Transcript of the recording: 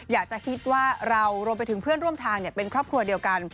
อยากจะคิดว่าเรารวมไปถึงเพื่อนร่วมทางเป็นครอบครัวเดียวกัน